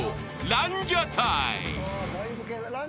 ランジャタイさん？